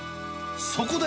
そこで。